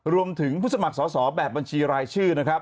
รวมถึงผู้สมัครสอบแบบบัญชีรายชื่อนะครับ